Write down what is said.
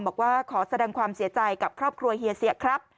บอกว่าขอแสดงความเสียใจกับครอบครัวเฮียเสียครับ